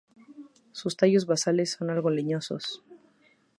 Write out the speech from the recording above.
Sus tallos basales son algo leñosos.